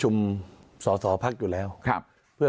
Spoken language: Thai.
ที่ไม่มีนิวบายในการแก้ไขมาตรา๑๑๒